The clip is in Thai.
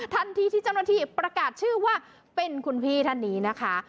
ทันทีที่เจ้าหน้าที่ประกาศชื่อว่าเป็นคุณพี่ท่านนี้นะคะ